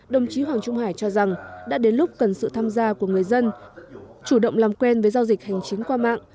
đồng chí hoàng trung hải cho rằng đã đến lúc cần sự tham gia của người dân chủ động làm quen với giao dịch hành chính qua mạng